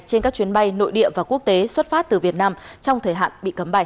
trên các chuyến bay nội địa và quốc tế xuất phát từ việt nam trong thời hạn bị cấm bay